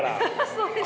そうですね！